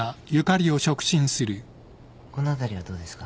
この辺りはどうですか？